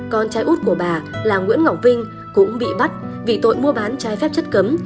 con trai út của bà là nguyễn ngọc vinh cũng bị bắt vì tội mua bán trái phép chất cấm